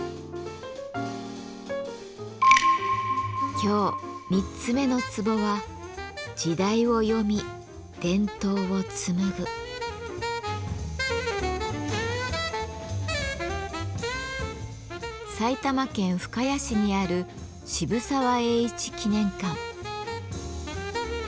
今日三つ目のツボは埼玉県深谷市にある渋沢栄一記念館。